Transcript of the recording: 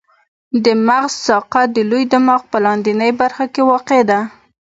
د مغز ساقه د لوی دماغ په لاندنۍ برخه کې واقع ده.